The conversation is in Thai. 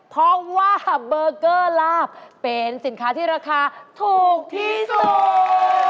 เพราะว่าเบอร์เกอร์ลาบเป็นสินค้าที่ราคาถูกที่สุด